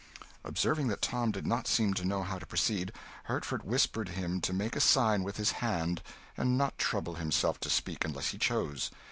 Observing that Tom did not seem to know how to proceed, Hertford whispered him to make a sign with his hand, and not trouble himself to speak unless he chose.